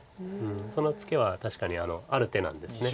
そのツケは確かにある手なんです。